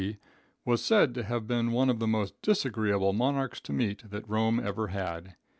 D., was said to have been one of the most disagreeable monarchs to meet that Rome ever had.